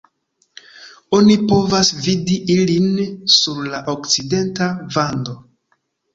Oni povas vidi ilin sur la okcidenta vando.